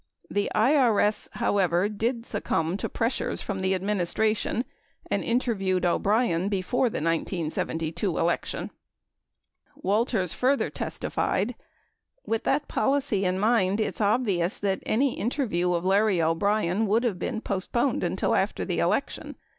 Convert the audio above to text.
The IRS, however, did succumb to pressures from the administration and interviewed O'Brien before the 1972 election. Walters further testi fied that :With that policy in mind, it's obvious that any inter view of Larry O'Brien would have been postponed until after the election.